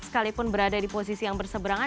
sekalipun berada di posisi yang berseberangan